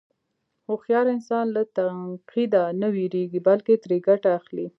هوښیار انسان له تنقیده نه وېرېږي، بلکې ترې ګټه اخلي.